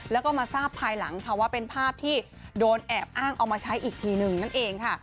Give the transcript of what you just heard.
แล้วก็มาทราบภายหลังค่ะว่าเป็นภาพที่โดนแอบอ้างเอามาใช้อีกทีหนึ่งนั่นเองค่ะ